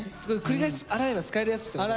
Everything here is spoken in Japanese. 繰り返し洗えば使えるやつってことか。